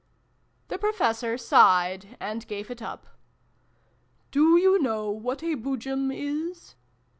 " The Professor sighed, and gave it up. " Do you know what a Boojum is